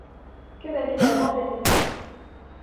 Que ma vie d'avant n'était plus.